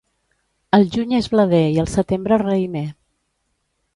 El juny és blader i el setembre raïmer.